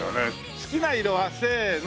好きな色は？せーの。